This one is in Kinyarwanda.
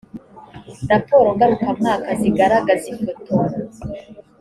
raporo ngarukamwaka zigaragaza ifoto